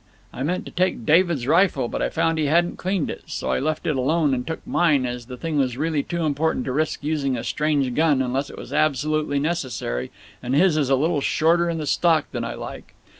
I meant to take David's rifle, but I found he hadn't cleaned it, so I left it alone and took mine, as the thing was really too important to risk using a strange gun unless it was absolutely necessary, and his is a little shorter in the stock than I like.